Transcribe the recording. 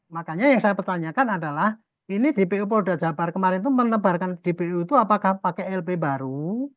makanya yang saya pertanyakan adalah ini dpo polda jabar kemarin itu menebarkan dpo itu apakah pakai lp baru